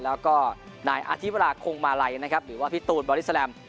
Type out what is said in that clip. แล้วก็นายอธิวราคงมาลัยนะครับหรือว่าพี่ตูนบอดี้แลม